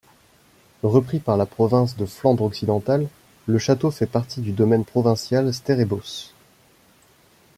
Repris par la Province de Flandre-Occidentale le château fait partie du domaine provincial 'Sterrebos'.